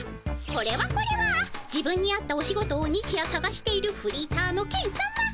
これはこれは自分に合ったお仕事を日夜さがしているフリーターのケンさま。